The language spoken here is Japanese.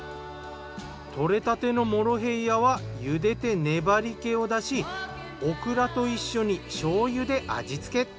採れたてのモロヘイヤはゆでて粘りけを出しオクラと一緒にしょうゆで味つけ。